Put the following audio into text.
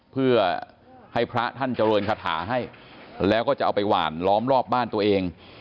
เพื่อให้พระท่านเจริญคาถาให้แล้วก็จะเอาไปหวานล้อมรอบบ้านตัวเอง